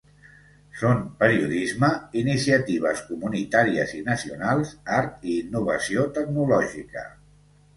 Són periodisme, iniciatives comunitàries i nacionals, art i innovació tecnològica.